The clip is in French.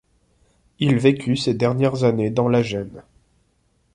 Il vécut ses dernières années dans la gêne.